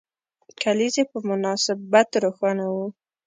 کلیزې په مناسبت روښانه وو.